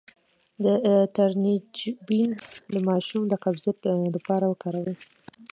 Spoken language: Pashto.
د ترنجبین د ماشوم د قبضیت لپاره وکاروئ